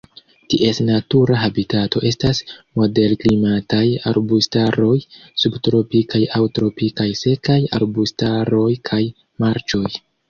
Ties natura habitato estas moderklimataj arbustaroj, subtropikaj aŭ tropikaj sekaj arbustaroj kaj marĉoj.